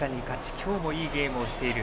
今日もいいゲームをしている。